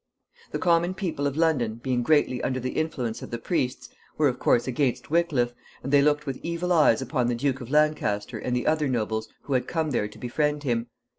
The common people of London, being greatly under the influence of the priests, were, of course, against Wickliffe, and they looked with evil eyes upon the Duke of Lancaster and the other nobles who had come there to befriend him.